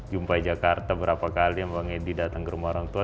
jumpai jakarta berapa kali bang edi datang ke rumah orang tua